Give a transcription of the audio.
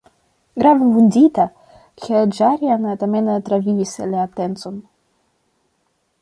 Grave vundita, Haĝarian tamen travivis la atencon.